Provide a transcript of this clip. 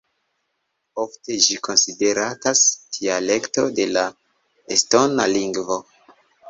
Ofte ĝi konsideratas dialekto de la estona lingvo.